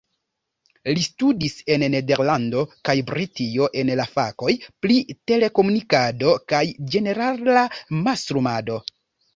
Li studis en Nederlando kaj Britio en la fakoj pri telekomunikado kaj ĝenerala mastrumado.